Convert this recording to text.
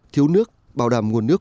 thiếu nước bảo đảm nguồn nước